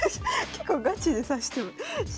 結構ガチで指してしまう。